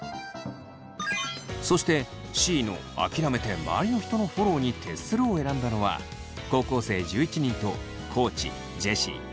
そしてＣの「あきらめて周りの人のフォローに徹する」を選んだのは高校生１１人と地ジェシー大我北斗の４人。